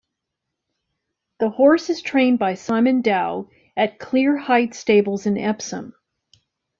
The horse is trained by Simon Dow at Clear Height Stables in Epsom.